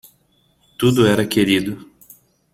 Tudo era querido.